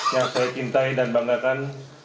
yang saya cintai dan banggakan